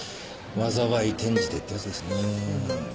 災い転じてってやつですね。